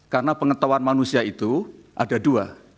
karena pengetahuan manusia itu ada dua